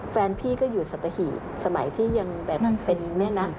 แฟนพี่ก็อยู่สัตหีบสมัยที่ยังแบบเป็นเนี่ยนะ